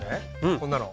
こんなの。